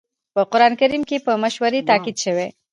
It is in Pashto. په قرآن کريم کې په مشورې تاکيد شوی.